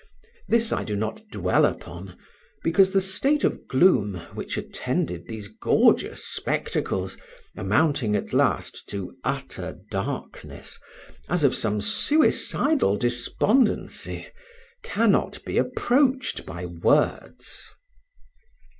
This I do not dwell upon; because the state of gloom which attended these gorgeous spectacles, amounting at last to utter darkness, as of some suicidal despondency, cannot be approached by words.